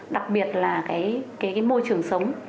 đặc biệt là cái môi trường sống